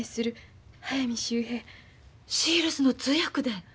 シールスの通訳で？